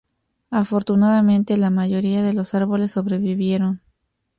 Afortunadamente, la mayoría de los árboles sobrevivieron.